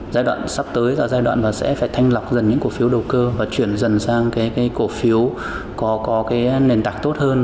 giai đoạn sắp tới là giai đoạn và sẽ phải thanh lọc dần những cổ phiếu đầu cơ và chuyển dần sang cái cổ phiếu có cái nền tảng tốt hơn